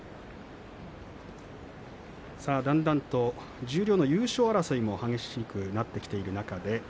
だんだんと十両の優勝争いが激しくなっています。